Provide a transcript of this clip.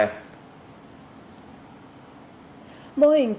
mô hình tổ covid cộng đồng